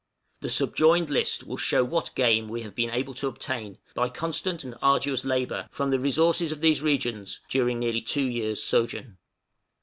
The subjoined list will show what game we have been able to obtain by constant and arduous labor from the resources of these regions during nearly two years' sojourn.